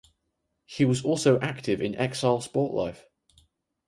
He was also active in exile sport life.